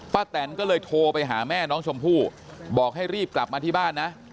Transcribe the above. แตนก็เลยโทรไปหาแม่น้องชมพู่บอกให้รีบกลับมาที่บ้านนะ